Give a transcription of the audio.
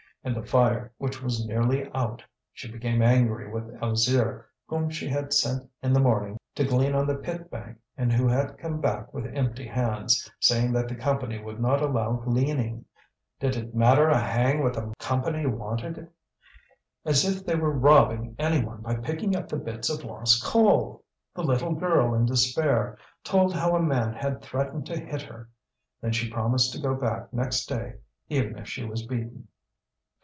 And the fire, which was nearly out! She became angry with Alzire, whom she had sent in the morning to glean on the pit bank, and who had come back with empty hands, saying that the Company would not allow gleaning. Did it matter a hang what the Company wanted? As if they were robbing any one by picking up the bits of lost coal! The little girl, in despair, told how a man had threatened to hit her; then she promised to go back next day, even if she was beaten.